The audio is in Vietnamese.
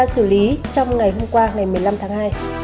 trong ngày hôm qua ngày một mươi năm tháng hai